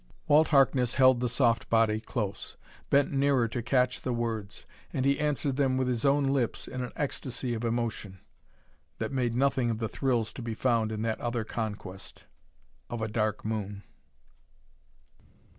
Walt Harkness held the soft body close; bent nearer to catch the words. And he answered them with his own lips in an ecstasy of emotion that made nothing of the thrills to be found in that other conquest of a Dark Moon.